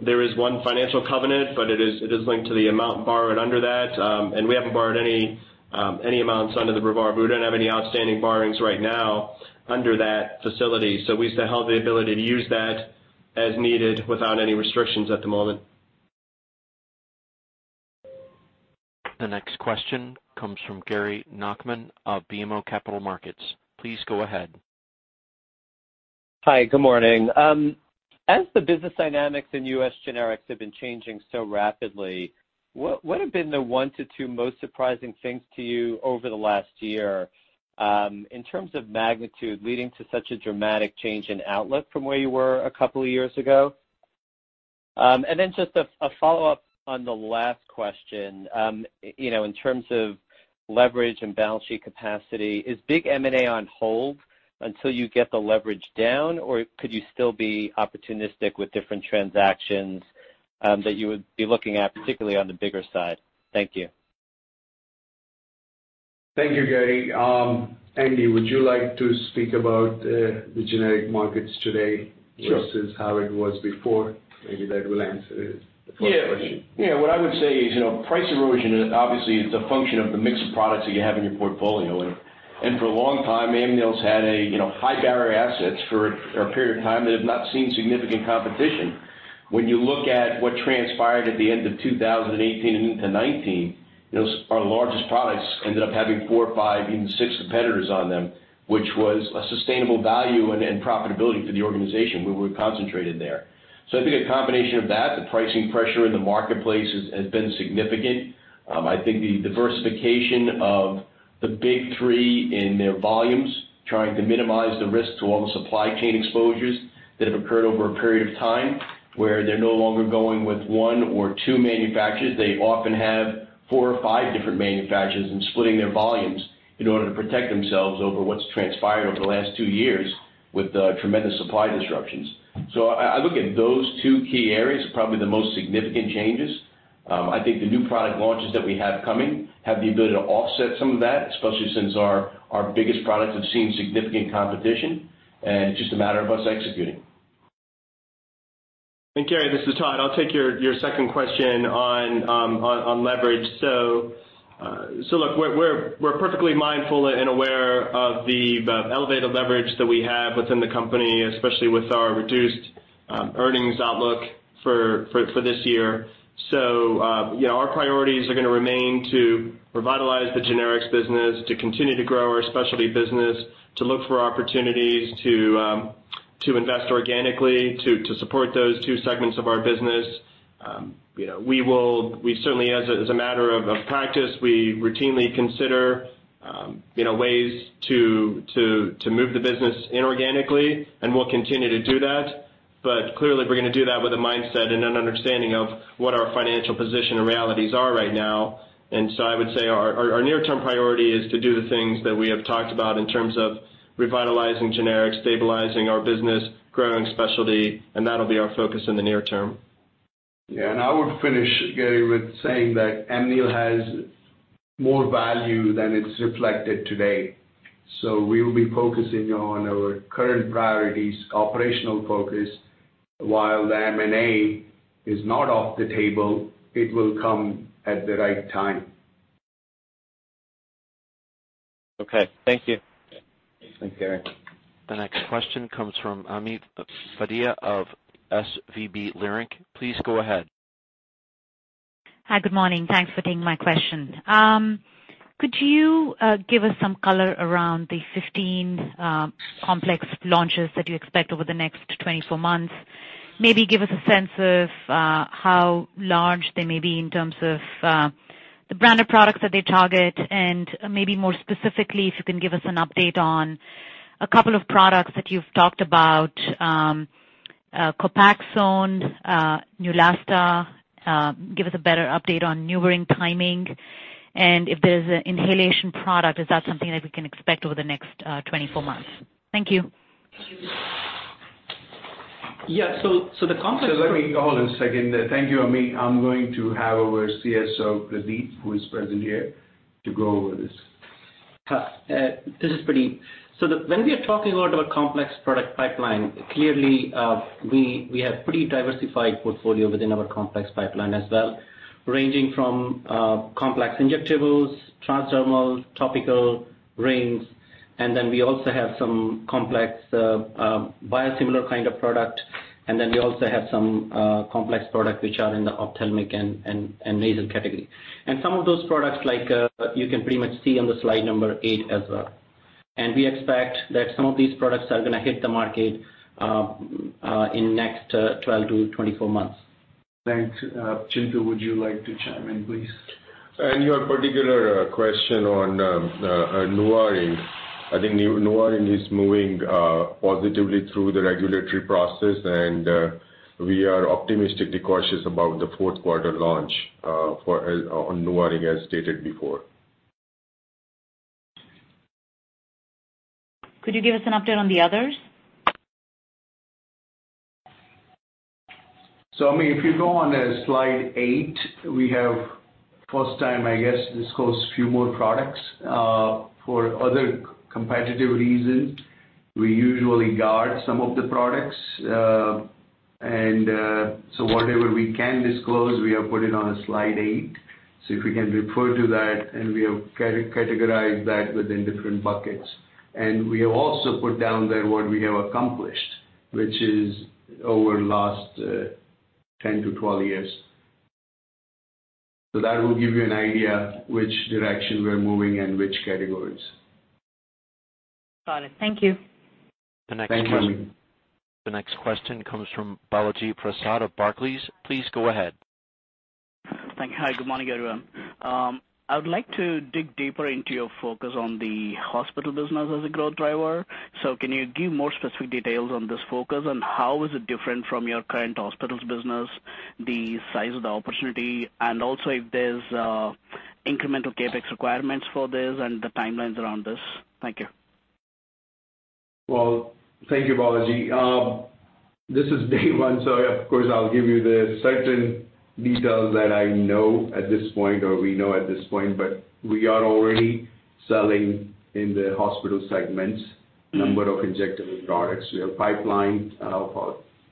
there is one financial covenant, but it is linked to the amount borrowed under that, and we haven't borrowed any amounts under the revolver. We don't have any outstanding borrowings right now under that facility, so we still have the ability to use that as needed without any restrictions at the moment. The next question comes from Gary Nachman of BMO Capital Markets. Please go ahead. Hi, good morning. As the business dynamics in U.S. generics have been changing so rapidly, what have been the one to two most surprising things to you over the last year, in terms of magnitude leading to such a dramatic change in outlook from where you were a couple of years ago? Just a follow-up on the last question. In terms of leverage and balance sheet capacity, is big M&A on hold until you get the leverage down, or could you still be opportunistic with different transactions that you would be looking at, particularly on the bigger side? Thank you. Thank you, Gary. Andy, would you like to speak about the generic markets today? Sure versus how it was before? Maybe that will answer the first question. Yeah. What I would say is, price erosion obviously is a function of the mix of products that you have in your portfolio. For a long time, Amneal's had a high barrier assets for a period of time that have not seen significant competition. When you look at what transpired at the end of 2018 and into 2019, our largest products ended up having four, five, even six competitors on them, which was a sustainable value and profitability for the organization where we're concentrated there. I think a combination of that, the pricing pressure in the marketplace has been significant. I think the diversification of the big three in their volumes, trying to minimize the risk to all the supply chain exposures that have occurred over a period of time, where they're no longer going with one or two manufacturers. They often have four or five different manufacturers and splitting their volumes in order to protect themselves over what's transpired over the last two years with the tremendous supply disruptions. I look at those two key areas, probably the most significant changes. I think the new product launches that we have coming have the ability to offset some of that, especially since our biggest products have seen significant competition, and it's just a matter of us executing. Gary, this is Todd. I'll take your second question on leverage. Look, we're perfectly mindful and aware of the elevated leverage that we have within the company, especially with our reduced earnings outlook for this year. Our priorities are going to remain to revitalize the generics business, to continue to grow our specialty business, to look for opportunities to invest organically, to support those two segments of our business. We certainly, as a matter of practice, we routinely consider ways to move the business inorganically, and we'll continue to do that. Clearly, we're going to do that with a mindset and an understanding of what our financial position and realities are right now. I would say our near-term priority is to do the things that we have talked about in terms of revitalizing generics, stabilizing our business, growing specialty, and that'll be our focus in the near term. Yeah, and I would finish, Gary, with saying that Amneal has more value than it's reflected today. We will be focusing on our current priorities, operational focus. While the M&A is not off the table, it will come at the right time. Okay. Thank you. Thanks, Gary. The next question comes from Ami Fadia of SVB Leerink. Please go ahead. Hi. Good morning. Thanks for taking my question. Could you give us some color around the 15 complex launches that you expect over the next 24 months? Maybe give us a sense of how large they may be in terms of the branded products that they target and maybe more specifically, if you can give us an update on a couple of products that you've talked about, COPAXONE, Neulasta give us a better update on NuvaRing timing. If there's an inhalation product, is that something that we can expect over the next 24 months? Thank you. Yeah. Let me hold on a second there. Thank you, Ami. I'm going to have our CSO, Pradeep, who is present here to go over this. This is Pradeep. When we are talking about our complex product pipeline, clearly, we have pretty diversified portfolio within our complex pipeline as well, ranging from complex injectables, transdermal, topical rings, and then we also have some complex biosimilar kind of product and then we also have some complex products which are in the ophthalmic and nasal category. Some of those products you can pretty much see on the slide number eight as well. We expect that some of these products are going to hit the market in next 12 to 24 months. Thanks. Chintu, would you like to chime in, please? Your particular question on NuvaRing, I think NuvaRing is moving positively through the regulatory process, and we are optimistically cautious about the fourth quarter launch for NuvaRing, as stated before. Could you give us an update on the others? Ami, if you go on slide eight, we have first time, I guess, disclosed few more products. For other competitive reasons, we usually guard some of the products. Whatever we can disclose, we have put it on slide eight. If you can refer to that, and we have categorized that within different buckets. We have also put down there what we have accomplished, which is over last 10 to 12 years. That will give you an idea which direction we're moving and which categories. Got it. Thank you. Thank you. The next question comes from Balaji Prasad of Barclays. Please go ahead. Thank you. Hi, good morning, everyone. I would like to dig deeper into your focus on the hospital business as a growth driver. Can you give more specific details on this focus, on how is it different from your current hospitals business, the size of the opportunity, and also if there's incremental CapEx requirements for this and the timelines around this? Thank you. Thank you, Balaji. This is day one, yeah, of course, I'll give you the certain details that I know at this point, or we know at this point, we are already selling in the hospital segments, number of injectable products. We have pipeline of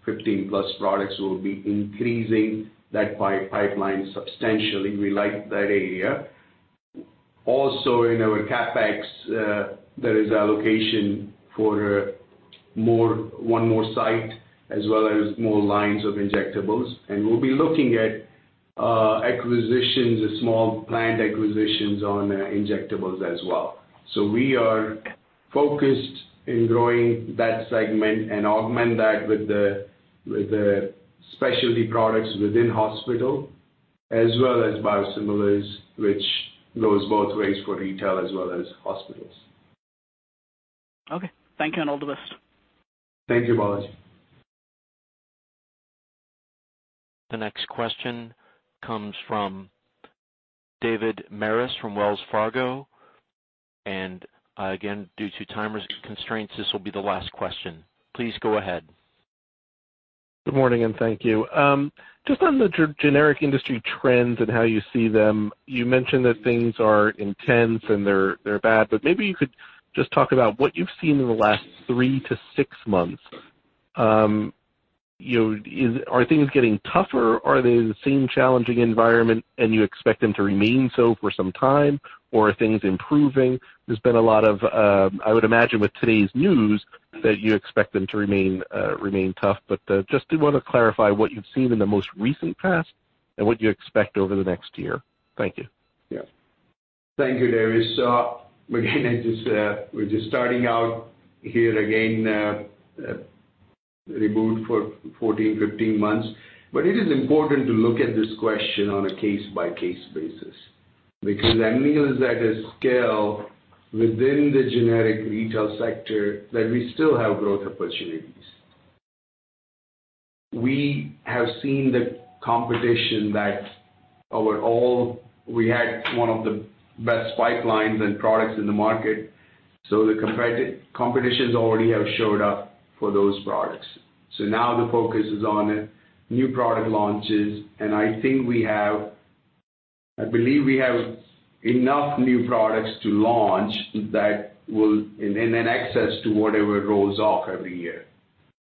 15-plus products. We'll be increasing that pipeline substantially. We like that area. In our CapEx, there is allocation for one more site as well as more lines of injectables. We'll be looking at acquisitions, small plant acquisitions on injectables as well. We are focused in growing that segment and augment that with the specialty products within hospital, as well as biosimilars, which goes both ways for retail as well as hospitals. Okay. Thank you, and all the best. Thank you, Balaji. The next question comes from David Maris from Wells Fargo, and again, due to time constraints, this will be the last question. Please go ahead. Good morning, and thank you. Just on the generic industry trends and how you see them, you mentioned that things are intense and they're bad. Maybe you could just talk about what you've seen in the last three to six months. Are things getting tougher? Are they the same challenging environment and you expect them to remain so for some time, or are things improving? There's been a lot of, I would imagine, with today's news, that you expect them to remain tough. Just did want to clarify what you've seen in the most recent past and what you expect over the next year. Thank you. Yeah. Thank you, David. Again, we're just starting out here again, reboot for 14, 15 months. It is important to look at this question on a case-by-case basis. Amneal is at a scale within the generic retail sector that we still have growth opportunities. We have seen the competition that overall, we had one of the best pipelines and products in the market, the competitions already have showed up for those products. Now the focus is on new product launches, and I believe we have enough new products to launch and then access to whatever rolls off every year.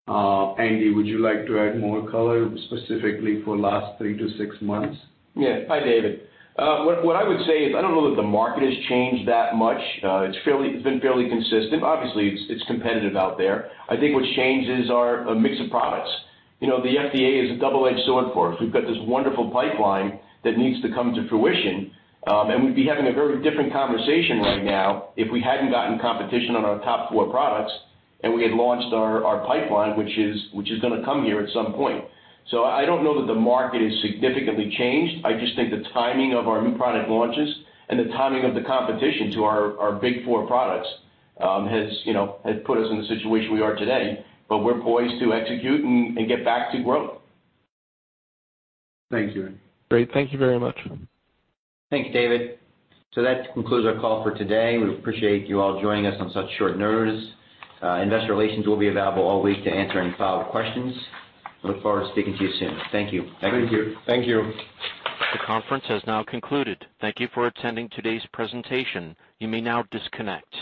Andy, would you like to add more color specifically for last three to six months? Yeah. Hi, David. What I would say is, I don't know that the market has changed that much. It's been fairly consistent. Obviously, it's competitive out there. I think what's changed is our mix of products. The FDA is a double-edged sword for us. We've got this wonderful pipeline that needs to come to fruition. We'd be having a very different conversation right now if we hadn't gotten competition on our top four products and we had launched our pipeline, which is going to come here at some point. I don't know that the market has significantly changed. I just think the timing of our new product launches and the timing of the competition to our big four products has put us in the situation we are today. We're poised to execute and get back to growth. Thanks, Andy. Great. Thank you very much. Thanks, David. That concludes our call for today. We appreciate you all joining us on such short notice. Investor relations will be available all week to answer any follow-up questions. Look forward to speaking to you soon. Thank you. Thank you. Thank you. The conference has now concluded. Thank you for attending today's presentation. You may now disconnect.